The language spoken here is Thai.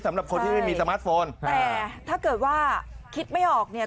สำหรับคนที่ไม่มีสมาร์ทโฟนแต่ถ้าเกิดว่าคิดไม่ออกเนี่ย